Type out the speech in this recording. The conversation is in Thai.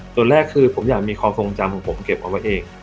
ตอนแรกคือผมอยากมีความทรงจำของผมเก็บเอาไว้เอง